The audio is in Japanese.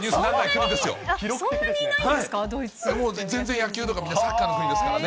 全然野球とか見ない、サッカーの国ですからね。